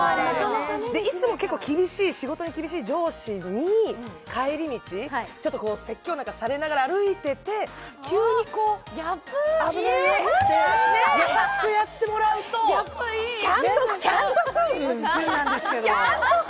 いつも結構仕事に厳しい上司に帰り道、ちょっと説教なんかされながら歩いてて、急に危ないよって、優しくやってもらうと、マジキュンなんですけど。